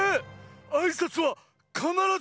あいさつはかならず。